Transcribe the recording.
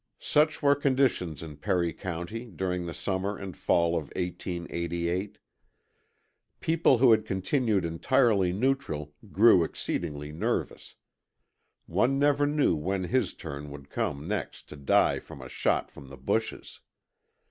Such were conditions in Perry County during the summer and fall of 1888. People who had continued entirely neutral, grew exceedingly nervous. One never knew when his turn would come next to die from a shot from the bushes.